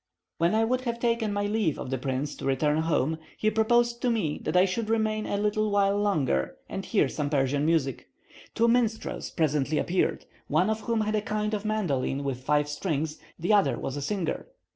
When I would have taken my leave of the prince to return home, he proposed to me that I should remain a little while longer and hear some Persian music. Two minstrels presently appeared, one of whom had a kind of mandolin with five strings; the other was a singer.